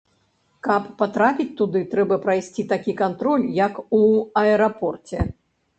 Каб патрапіць туды, трэба прайсці такі кантроль, як у аэрапорце.